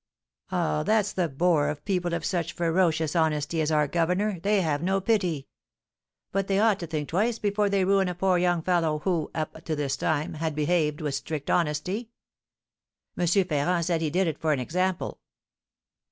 "Ah, that's the bore of people of such ferocious honesty as our governor, they have no pity!" "But they ought to think twice before they ruin a poor young fellow, who, up to this time, has behaved with strict honesty." "M. Ferrand said he did it for an example."